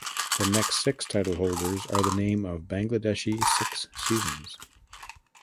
The next six title holders are the name of Bangladeshi six seasons.